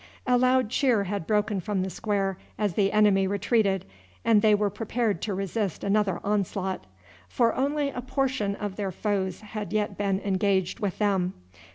A loud cheer had broken from the square as the enemy retreated, and they were prepared to resist another onslaught; for only a portion of their foes had yet been engaged with them.